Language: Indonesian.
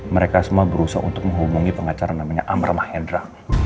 mereka semua berusaha untuk menghubungi pengacara namanya amr mahendra